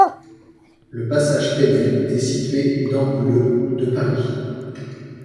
Le passage Penel est situé dans le de Paris.